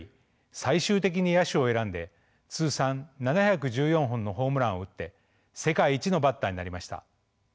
最終的に野手を選んで通算７１４本のホームランを打って世界一のバッターになりました。